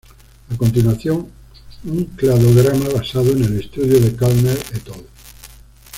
A continuación un cladograma basado en el estudio de Kellner "et al.